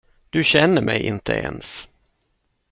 Du känner mig inte ens.